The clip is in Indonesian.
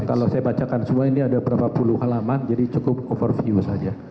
kalau saya bacakan semua ini ada berapa puluh halaman jadi cukup overview saja